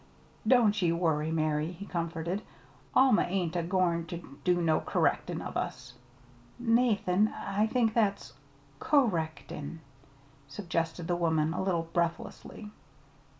"Don't ye worry, Mary," he comforted. "Alma ain't a goin' ter do no kerrectin' of us." "Nathan, I I think that's 'co rectin','" suggested the woman, a little breathlessly.